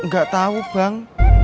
gak tau bang